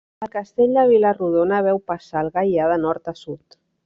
El castell de Vila-rodona veu passar el Gaià de nord a sud.